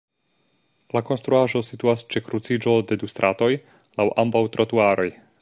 La konstruaĵo situas ĉe kruciĝo de du stratoj laŭ ambaŭ trotuaroj.